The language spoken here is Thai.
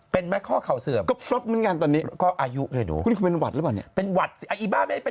เป็นไหมข้อเข่าเสื่อมคุณคิดคุณเป็นหวัดหรือยังบ้างนี้